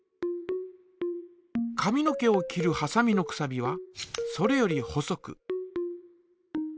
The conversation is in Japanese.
髪の毛を切るはさみのくさびはそれより細く。